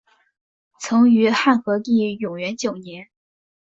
曾于汉和帝永元九年。